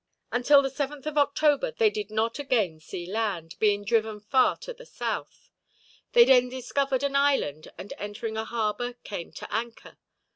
Until the 7th of October they did not again see land, being driven far to the south. They then discovered an island, and entering a harbor came to anchor.